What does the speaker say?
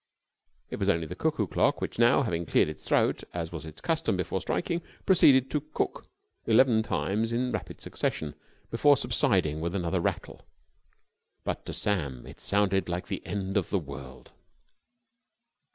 It was only the cuckoo clock, which now, having cleared its throat as was its custom before striking, proceeded to cuck eleven times in rapid succession before subsiding with another rattle: but to Sam it sounded like the end of the world.